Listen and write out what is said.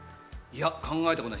考えたことない。